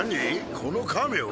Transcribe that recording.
この亀を？